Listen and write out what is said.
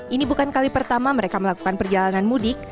ini bukan kali pertama mereka melakukan perjalanan mudik